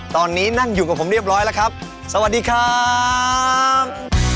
ตอนนี้นั่งอยู่กับผมเรียบร้อยแล้วครับสวัสดีครับ